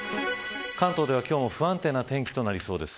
関東で今日も不安定な天気となりそうです。